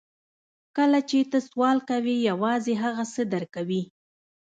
کله چې ته سوال کوې یوازې هغه څه درکوي